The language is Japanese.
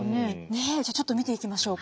ねえじゃあちょっと見ていきましょうか。